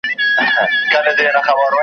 نه په خوله کي یې لرل تېره غاښونه .